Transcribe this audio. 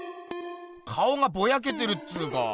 顔がボヤけてるっつうか。